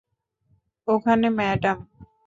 ওখানে, ম্যাডাম।